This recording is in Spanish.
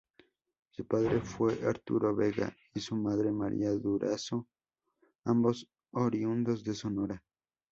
Su padre fue Arturo Vega y su madre María Durazo, ambos oriundos de Sonora.